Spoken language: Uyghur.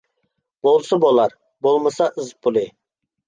بولسا بولار، بولمىسا ئىز پۇلى.